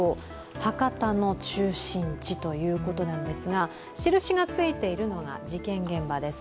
博多の中心地ということなんですが、印がついているのが事件現場です。